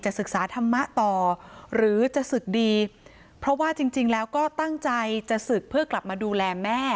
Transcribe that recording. ศึกษาธรรมะต่อหรือจะศึกดีเพราะว่าจริงแล้วก็ตั้งใจจะศึกเพื่อกลับมาดูแลแม่